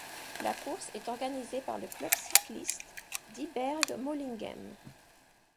La course est organisée par le club cycliste d'Isbergues Molinghem.